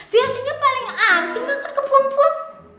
biasanya paling anting makan kebun bun